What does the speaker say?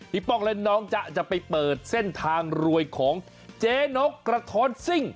ป้องและน้องจ๊ะจะไปเปิดเส้นทางรวยของเจ๊นกกระท้อนซิ่ง